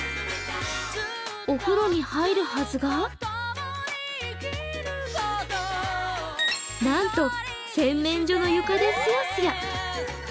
お風呂に入るはずがなんと、洗面所の床ですやすや。